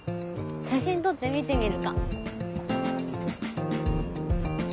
写真撮って見てみるか。